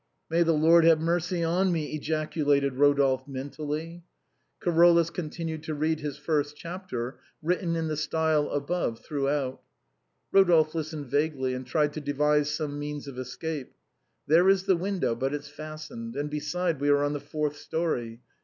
" May the Lord have mercy on me !" ejaculated Eo dolphe mentally. Carolus continued to read his first chapter, written in the style of the above throughout. Eodolphe listened vaguely, and tried to devise some means of escape. " There is the window, but it's fastened ; and, besides, we are in the fourth story.